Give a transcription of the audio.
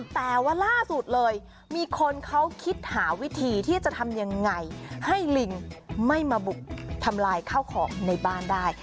แต่ว่าล่าสุดเลยมีคนเขาคิดหาวิธีที่จะทำยังไงให้ลิงไม่มาบุกทำลายข้าวของในบ้านได้